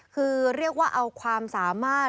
คือเรียกว่าเอาความสามารถ